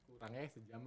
utangnya sejam ya